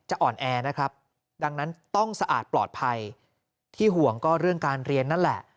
อ่อนแอนะครับดังนั้นต้องสะอาดปลอดภัยที่ห่วงก็เรื่องการเรียนนั่นแหละ